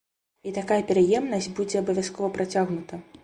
І такая пераемнасць будзе абавязкова працягнута.